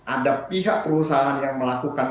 ada pihak perusahaan yang melakukan